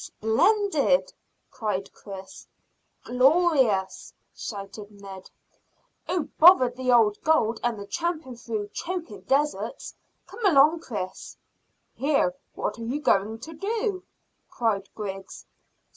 "Splendid!" cried Chris. "Glorious!" shouted Ned. "Oh, bother the old gold and the tramping through choking deserts. Come along, Chris." "Here, what are you going to do?" cried Griggs.